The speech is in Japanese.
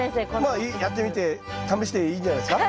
まあやってみて試していいんじゃないですか。